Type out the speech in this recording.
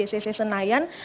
nantinya di jcc senayan